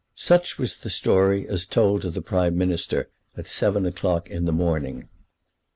Such was the story as told to the Prime Minister at seven o'clock in the morning.